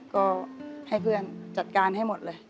ก็ให้เพื่อนจัดการให้หมดเลย